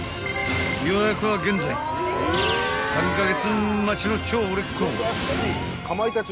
［予約は現在３カ月待ちの超売れっ子］